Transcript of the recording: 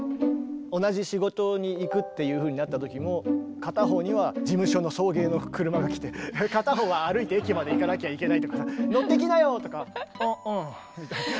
同じ仕事に行くっていうふうになった時も片方には事務所の送迎の車が来て片方は歩いて駅まで行かなきゃいけないとか「乗ってきなよ！」とか「あうん」みたい。